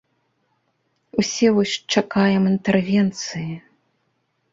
Усе вось чакаем інтэрвенцыі.